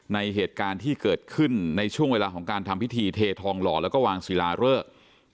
เหตุการณ์ที่เกิดขึ้นในช่วงเวลาของการทำพิธีเททองหล่อแล้วก็วางศิลาเริก